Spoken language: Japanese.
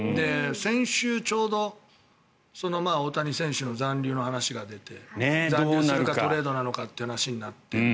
先週、ちょうど大谷選手の残留の話が出て残留なのかトレードなのかという話になって。